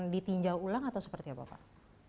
ditinjau ulang atau seperti apa pak